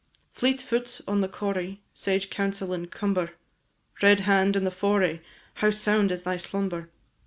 Fleet foot on the corrie, Sage counsel in cumber, Red hand in the foray, How sound is thy slumber!